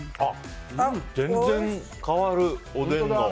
全然変わる、おでんの。